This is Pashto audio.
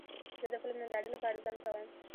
زه د فلم نندارې لپاره ځنډ کوم.